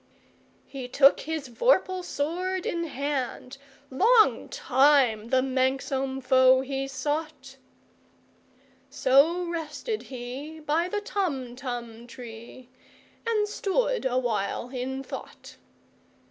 He took his vorpal sword in hand:Long time the manxome foe he sought—So rested he by the Tumtum tree, And stood awhile in thought.